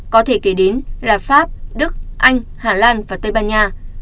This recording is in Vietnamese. có thể kể đến là pháp đức anh hà lan và tây ban nha